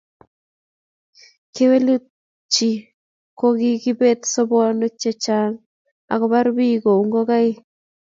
Kewelutikchi ko:kikobet sobonwek chechang akobar bik kou ngokaik